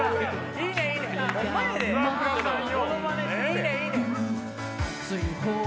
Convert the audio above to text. いいねんいいねん。